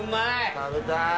食べたい。